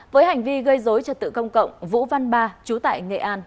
với hành vi gây dối trật tự công cộng vũ văn ba chú tại nghệ an